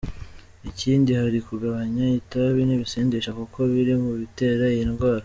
Ikindi hari kugabanya itabi n’ibisindisha kuko biri mu bitera iyi ndwara.